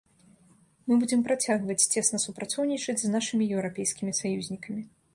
Мы будзем працягваць цесна супрацоўнічаць з нашымі еўрапейскімі саюзнікамі.